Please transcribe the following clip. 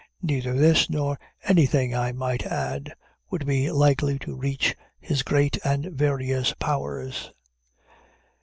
Neither this, nor anything I might add, would be likely to reach his great and various powers.